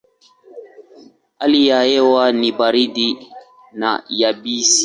Hali ya hewa ni baridi na yabisi.